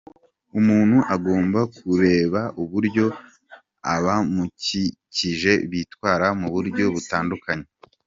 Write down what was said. Umuntu agomba kureba uburyo abamukikije bitwara mu buryo butandukanye.